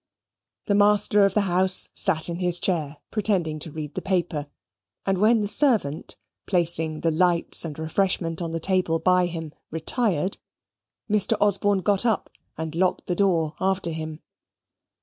The master of the house sate in his chair, pretending to read the paper, and when the servant, placing the lights and refreshment on the table by him, retired, Mr. Osborne got up and locked the door after him.